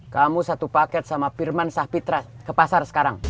kamu satu paket sama firman sapitra ke pasar sekarang